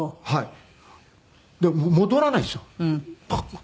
はい。